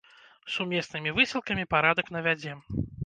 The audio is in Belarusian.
Сумеснымі высілкамі парадак навядзем.